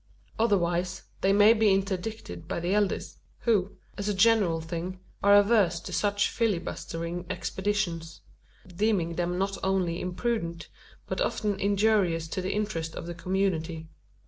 Otherwise, they might be interdicted by the elders; who, as a general thing, are averse to such filibustering expeditions deeming them not only imprudent, but often injurious to the interests of the community.